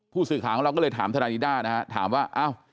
ผู้สื่อข่าวของเราก็เลยถามทนายนิด้านะฮะถามว่าอ้าว